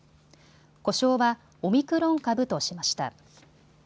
呼称はオミクロン株としました。